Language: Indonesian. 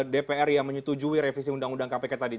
dpr yang menyetujui revisi undang undang kpk tadi